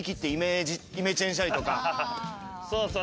そうそう。